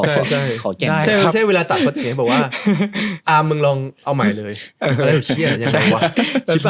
ใช่ใช่เวลาตัดก็จะเห็นว่าอ้าวมึงลองเอาใหม่เลยอะไรวะเชี่ยยังไงวะ